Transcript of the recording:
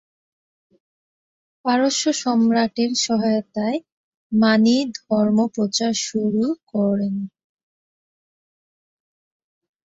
পারস্য সম্রাটের সহায়তায় মানি ধর্ম প্রচার শুরু করেন।